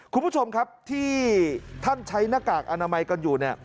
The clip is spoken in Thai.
คุณผู้ชมที่ใช้หน้ากากอนามัยกันอยู่